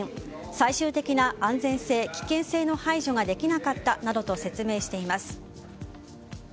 最終的な安全性・危険性の排除ができなかったなどと説明しています。